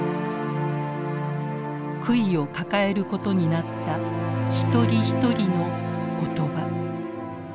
悔いを抱えることになった一人一人の言葉。